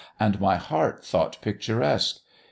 and my heart thought picturesque.